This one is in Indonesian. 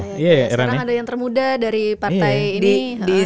oke sekarang ada yang termuda dari partai ini